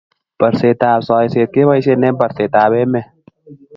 borsetab siaset keboishen eng borsetab emet